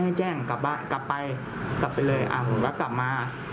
ให้แจ้งหลับกลับไปกลับไปเลยหลับมา